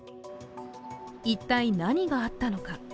一体、何があったのか。